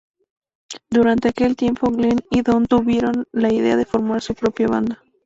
Durante aquel tiempo Glenn y Don tuvieron la idea de formar su propia banda.